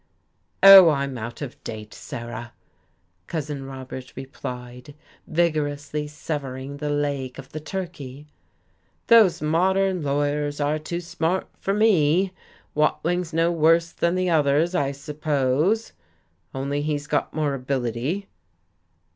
"Oh, I'm out of date, Sarah," Cousin Robert replied, vigorously severing the leg of the turkey. "These modern lawyers are too smart for me. Watling's no worse than the others, I suppose, only he's got more ability."